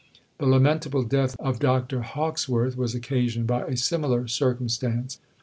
The lamentable death of Dr. Hawkesworth was occasioned by a similar circumstance.